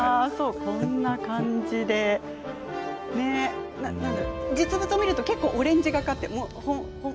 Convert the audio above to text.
こんな感じで、実物を見ると結構オレンジがかっていたんですね。